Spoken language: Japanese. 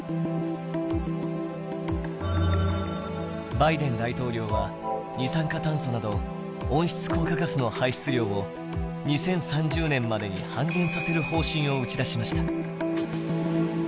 バイデン大統領は二酸化炭素など温室効果ガスの排出量を２０３０年までに半減させる方針を打ち出しました。